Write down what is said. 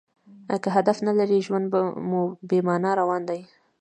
که هدف نه لرى؛ ژوند مو بې مانا روان دئ.